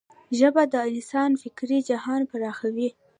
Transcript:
ژبه د انسان فکري جهان پراخوي.